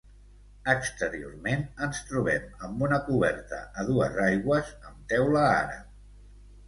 Exteriorment ens trobem amb una coberta a dues aigües amb teula àrab.